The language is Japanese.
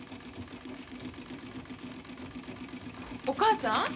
お母ちゃん。